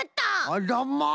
あらまあ！